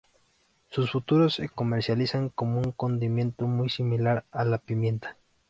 Sus frutos se comercializan como un condimento muy similar a la pimienta.